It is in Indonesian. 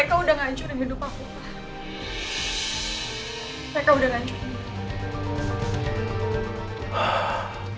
gak ada yang ngerti